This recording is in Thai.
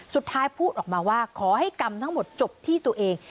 พูดออกมาว่าขอให้กรรมทั้งหมดจบที่ตัวเอง